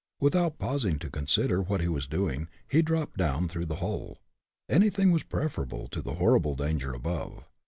Without pausing to consider what he was doing, he dropped down through the hole. Anything was preferable to the horrible danger above.